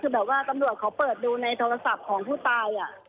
คือแบบว่าตำรวจเขาเปิดดูในโทรศัพท์ของผู้ตาย